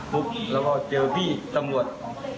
ปุ๊บแล้วก็เจอพี่ตำรวจ